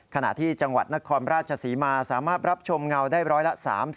ขณะที่จังหวัดนครราชศรีมาสามารถรับชมเงาได้ร้อยละ๓๐